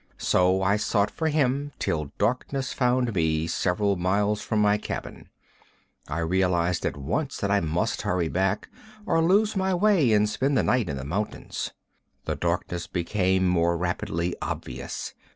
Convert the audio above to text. So I sought for him till darkness found me several miles from my cabin. I realized at once that I must hurry back, or lose my way and spend the night in the mountains. The darkness became more rapidly obvious.